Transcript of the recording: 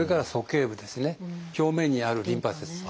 表面にあるリンパ節。